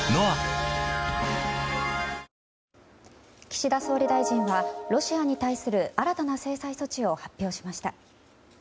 岸田総理大臣はロシアに対する新たな制裁措置を発表しました。